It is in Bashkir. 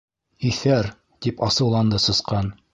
—Иҫәр! —тип асыуланды Сысҡан.